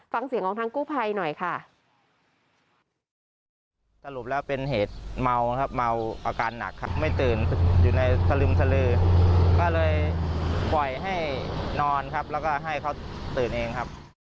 ฟังเสียงของทางกู้ภัยหน่อยค่ะ